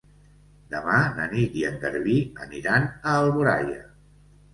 Demà na Nit i en Garbí aniran a Alboraia.